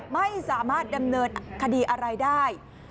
ไม่สามารถดำเนินคดีอะไรได้